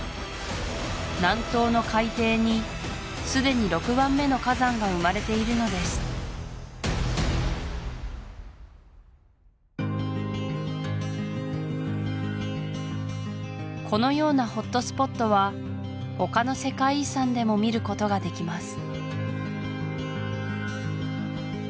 南東の海底にすでに６番目の火山が生まれているのですこのようなホットスポットは他の世界遺産でも見ることができます